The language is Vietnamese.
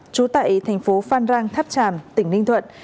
chú tại tp phan rang tháp tràm tỉnh ninh thuận